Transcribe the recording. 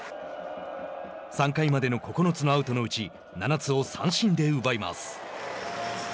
３回までの９つのアウトのうち７つを三振で奪います。